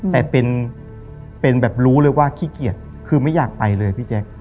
แต่เป็นแบบรู้เลยว่าขี้เกียจคือไม่อยากไปเลยพี่แจ๊ค